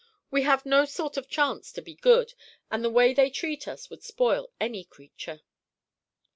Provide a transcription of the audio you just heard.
We have no sort of chance to be good, and the way they treat us would spoil any creature."